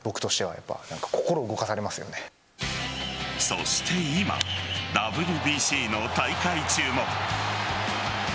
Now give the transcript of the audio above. そして今、ＷＢＣの大会中も。